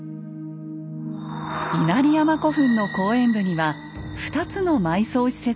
稲荷山古墳の後円部には２つの埋葬施設があります。